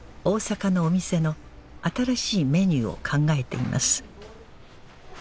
大阪のお店の新しいメニューを考えています